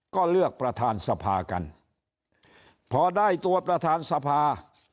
ก็เลือกประธานสภากันพอได้ตัวประธานสภา